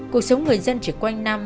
cuộc sống người dân chỉ quanh năm